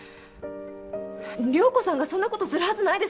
涼子さんがそんなことするはずないですよね。